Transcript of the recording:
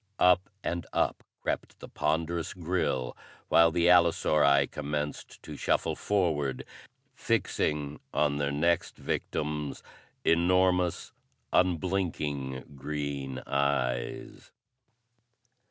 Up and up crept the ponderous grille, while the allosauri commenced to shuffle forward, fixing on their next victims enormous, unblinking green eyes.